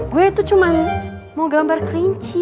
gue itu cuma mau gambar kerinci